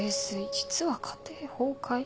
実は家庭崩壊⁉」。